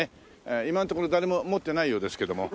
今のところ誰も持ってないようですけども。